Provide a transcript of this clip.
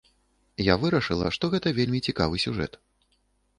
Я вырашыла, што гэта вельмі цікавы сюжэт.